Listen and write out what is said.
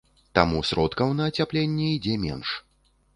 Таму сродкаў на ацяпленне ідзе менш.